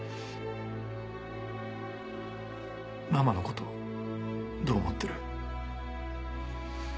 ママのことどう思ってる？